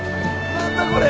何だこれ！